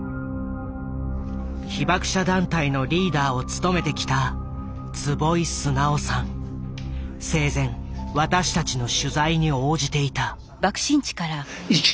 被爆者団体のリーダーを務めてきた生前私たちの取材に応じていた。